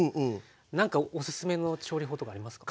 なんかおすすめの調理法とかありますか？